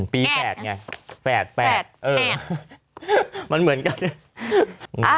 ปรีแฝดไงแฝดมันเหมือนกัน